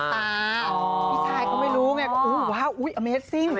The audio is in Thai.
พี่ชายก็ไม่รู้ไงว้าวอุ๊ยอัมเมสซิ่ง